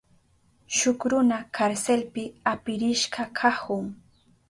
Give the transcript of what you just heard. Shuk runa karselpi apirishka kahun.